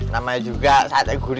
namanya juga sate gurita